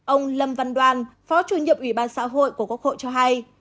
ông lâm văn đoàn phó chủ nhiệm ủy ban xã hội của quốc hội cho hay